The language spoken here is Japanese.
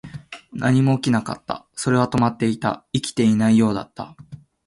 何も起きなかった。それは止まっていた。生きていないようだった。